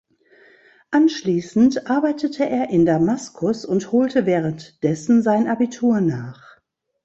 Anschließend arbeitete er in Damaskus und holte währenddessen sein Abitur nach.